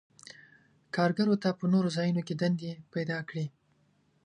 کارګرو ته په نورو ځایونو کې دندې پیداکړي.